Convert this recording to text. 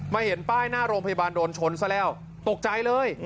เห็นป้ายหน้าโรงพยาบาลโดนชนซะแล้วตกใจเลย